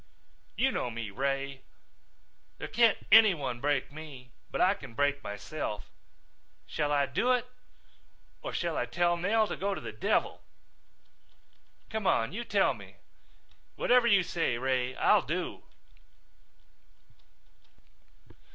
You know me, Ray. There can't anyone break me but I can break myself. Shall I do it or shall I tell Nell to go to the devil? Come on, you tell me. Whatever you say, Ray, I'll do."